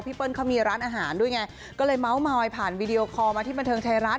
เปิ้ลเขามีร้านอาหารด้วยไงก็เลยเมาส์มอยผ่านวีดีโอคอลมาที่บันเทิงไทยรัฐ